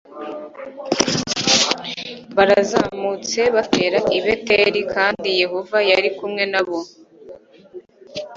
barazamutse batera i beteli, kandi yehova yari kumwe na bo